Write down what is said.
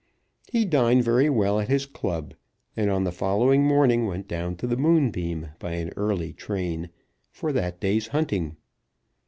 He dined very well at his club, and on the following morning went down to the Moonbeam by an early train, for that day's hunting.